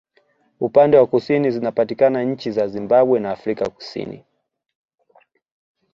Upande wa kusini zinapatikana nchi za Zimbabwe na Afrika kusini